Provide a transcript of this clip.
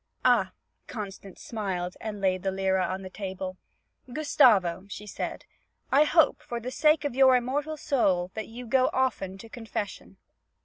"' 'Ah!' Constance smiled and laid the lira on the table. 'Gustavo,' she said, 'I hope, for the sake of your immortal soul, that you go often to confession.'